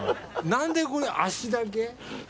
何でこれ足だけ？